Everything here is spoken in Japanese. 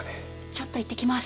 ちょっと行ってきます。